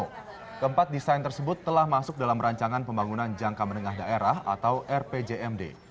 keempat desain tersebut telah masuk dalam rancangan pembangunan jangka menengah daerah atau rpjmd